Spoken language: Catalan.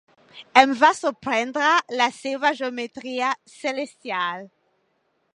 Em va sorprendre la seva geometria celestial.